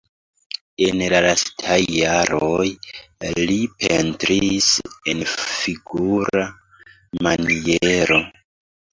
En la lastaj jaroj li pentris en figura maniero.